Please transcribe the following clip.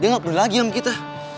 dia gak peduli lagi sama kita